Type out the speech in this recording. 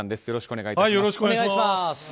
よろしくお願いします。